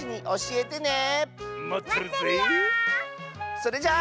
それじゃあ。